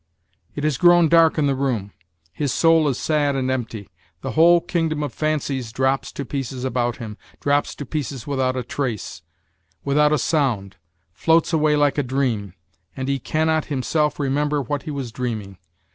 It has grown dark in the room ; his soul is sad and empty; the whole kingdom of fancies drops to pieces about him, drops to pieces without a trace, without a sound, floats away like a dream, and he cannot himself remember what he was dreaming.